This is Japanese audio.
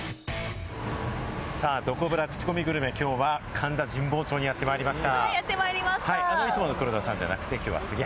どこブラ・クチコミグルメ、きょうは神田・神保町にやってまいりました。